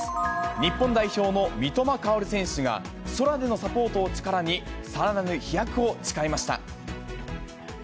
日本代表の三笘薫選手が、空でのサポートを力にさらなる飛躍を誓いました。